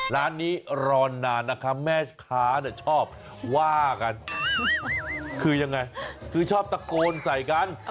ร้านนี้รอนานนะคะแม่ค้าเนี่ยชอบว่ากันคือยังไงคือชอบตะโกนใส่กัน